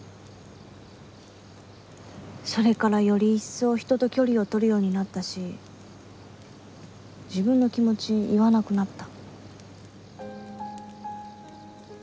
それからより一層人と距離を取るようになったし自分の気持ち言わなくなった。